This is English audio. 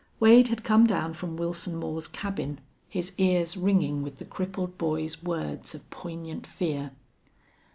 Wade had come down from Wilson Moore's cabin, his ears ringing with the crippled boy's words of poignant fear.